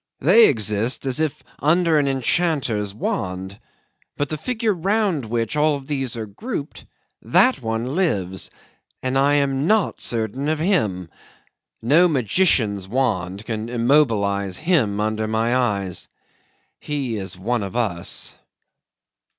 They exist as if under an enchanter's wand. But the figure round which all these are grouped that one lives, and I am not certain of him. No magician's wand can immobilise him under my eyes. He is one of us.